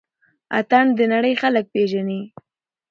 اتڼ د نړۍ خلک پيژني